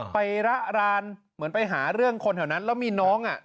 ไประรานเหมือนไปหาเรื่องคนแถวนั้นแล้วมีน้อง